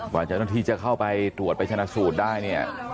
ก่อนทำให้ที่จะเข้าไปตรวจไปชนะสูตรได้